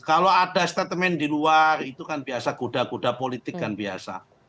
kalau ada statement di luar itu kan biasa kuda kuda politik kan biasa